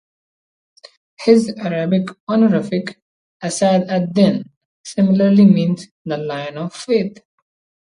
His Arabic honorific "Asad ad-Din" similarly means "the lion of faith".